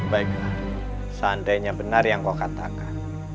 baiklah seandainya benar yang kau katakan